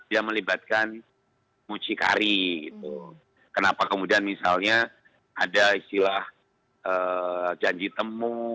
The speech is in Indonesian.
yang melibatkan mucikari kenapa kemudian misalnya ada istilah janji temu